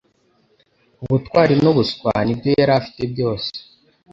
Ubutwari nubuswa nibyo yari afite byose.